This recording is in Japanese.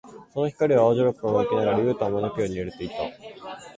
その光は青白く輝きながら、ユウタを招くように揺れていた。